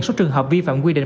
số trường hợp vi phạm quy định